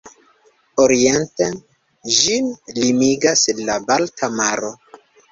Oriente ĝin limigas la Balta Maro.